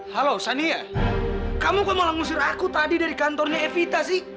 halo sania kamu kok malah ngusir aku tadi dari kantornya evita sih